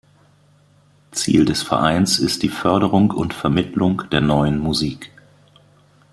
Ziel des Vereins ist die Förderung und Vermittlung der Neuen Musik.